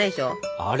あれ？